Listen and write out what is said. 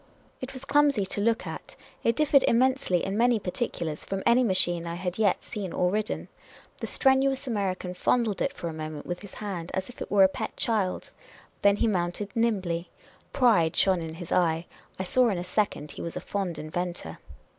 It was clumsy to look at. It differed immensely, in many particulars, from any machine I had yet seen or ridden. The strenuous American fondled it for a moment with his hand, as if it were a pet child. Then he mounted nimbly. Pride shone in his eye. I saw in a second he was a fond inventor.